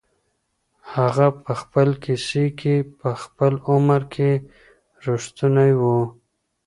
هغه په خپل کیسې کي په خپل عمر کي رښتونی و.